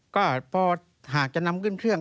ก็พอหากจะนำขึ้นเครื่อง